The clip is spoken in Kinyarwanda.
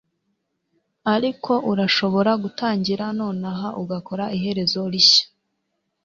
ariko urashobora gutangira nonaha ugakora iherezo rishya.”